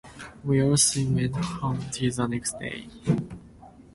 We all three went home together next day.